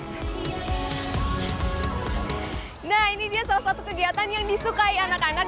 nah ini dia salah satu kegiatan yang disukai anak anak